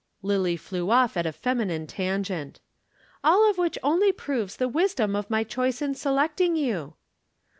Lillie flew off at a feminine tangent. "All of which only proves the wisdom of my choice in selecting you."